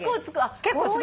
結構つく。